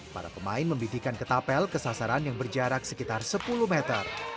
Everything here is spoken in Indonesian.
para pemain membidikan ketapel ke sasaran yang berjarak sekitar sepuluh meter